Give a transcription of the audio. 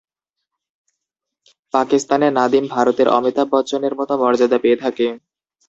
পাকিস্তানে নাদিম ভারতের অমিতাভ বচ্চনের মত মর্যাদা পেয়ে থাকেন।